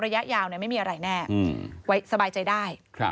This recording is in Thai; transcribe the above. ระยะยาวไม่มีอะไรแน่ไว้สบายใจได้